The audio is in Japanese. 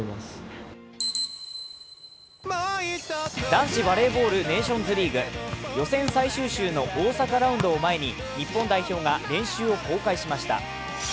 男子バレーボールネーションズリーグ。予選最終週の大阪ラウンドを前に日本代表が練習を公開しました。